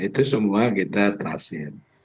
itu semua kita transfer